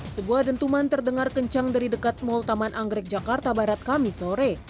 sebuah dentuman terdengar kencang dari dekat mall taman anggrek jakarta barat kami sore